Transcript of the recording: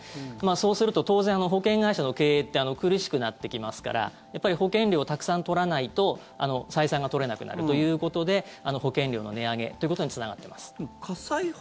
そうすると当然保険会社の経営って苦しくなってきますから保険料をたくさん取らないと採算が取れなくなるということで保険料の値上げということにつながっています。